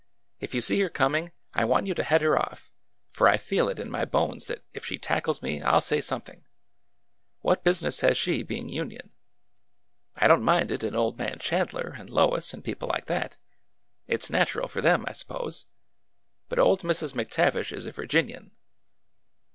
If you see her coming, I want you to head her off, for I feel it in my bones that if she tackles me I 'll say something ! What business has she being Union ? I don't mind it in old man Chandler and Lois and people like that. It 's natural for them, I suppose. But old Mrs. McTavish is a Virginian